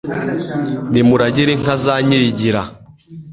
Nimuragire inka za Nyirigira